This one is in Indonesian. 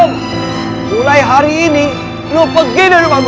mulai hari ini lo pergi dari rumah gue